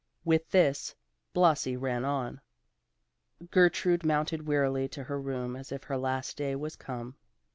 With this Blasi ran on. Gertrude mounted wearily to her room as if her last day was come.